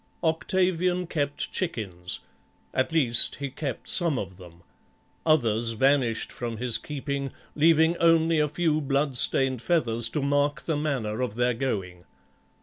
Octavian kept chickens; at least he kept some of them; others vanished from his keeping, leaving only a few bloodstained feathers to mark the manner of their going.